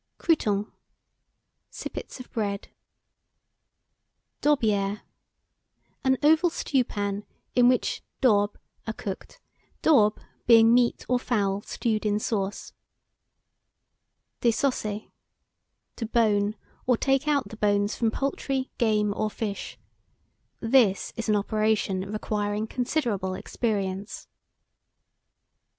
CROUTONS. Sippets of bread. DAUBIÈRE. An oval stewpan, in which daubes are cooked; daubes being meat or fowl stewed in sauce. DÉSOSSER. To bone, or take out the bones from poultry, game, or fish. This is an operation requiring considerable experience.